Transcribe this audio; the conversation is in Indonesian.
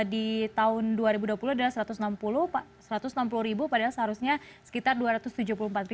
di tahun dua ribu dua puluh ada satu ratus enam puluh ribu padahal seharusnya sekitar rp dua ratus tujuh puluh empat